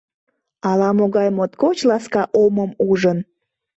Ала-могай моткоч ласка омым ужын...